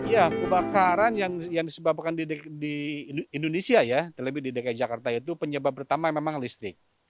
ya kebakaran yang disebabkan di indonesia ya terlebih di dki jakarta itu penyebab pertama memang listrik